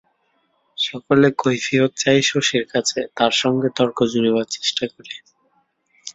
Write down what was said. সকলে কৈফিয়ত চায় শশীর কাছে, তার সঙ্গে তর্ক জুড়িবার চেষ্টা করে।